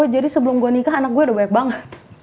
jadi sebelum gue nikah anak gue udah banyak banget